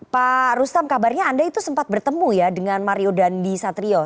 pak rustam kabarnya anda itu sempat bertemu ya dengan mario dandi satrio